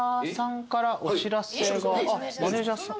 マネージャーさん